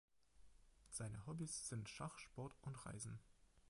Seine Hobbys sind Schach, Sport und Reisen.